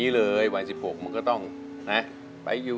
กระแซะเข้ามาสิ